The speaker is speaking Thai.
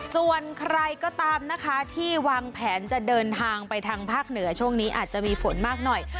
ส่วนใครก็ตามนะคะที่วางแผนจะเดินทางไปทางภาคเหนือช่วงนี้อาจจะมีฝนมากหน่อย